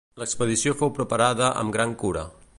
L'expedició fou preparada amb gran cura.